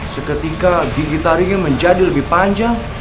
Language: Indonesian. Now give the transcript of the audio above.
seketika gigi taringnya menjadi lebih panjang